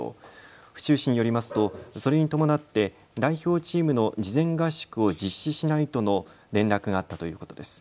府中市によりますとそれに伴って代表チームの事前合宿を実施しないとの連絡があったということです。